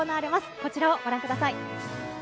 こちらをご覧ください。